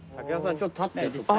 ちょっと立ってよ。